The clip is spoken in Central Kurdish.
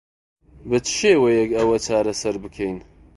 بە چ شێوەیەک ئەوە چارەسەر بکەین؟